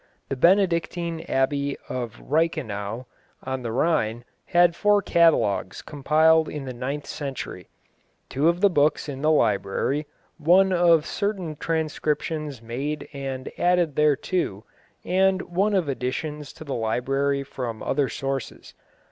The Benedictine Abbey of Reichenau, on the Rhine, had four catalogues compiled in the ninth century two of the books in the library, one of certain transcriptions made and added thereto, and one of additions to the library from other sources.